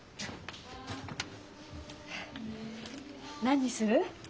何にする？